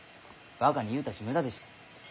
若に言うたち無駄でした。